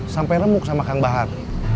sampai remuk sama kang bahar